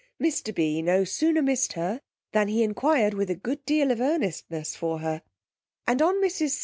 Mr. B n no sooner missed her, than he enquired with a good deal of earnestness for her; and on mrs.